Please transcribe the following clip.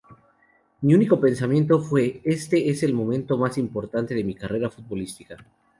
Mi único pensamiento fue "Este es el momento más importante de mi carrera futbolística.